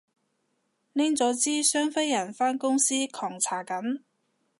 拎咗支雙飛人返公司狂搽緊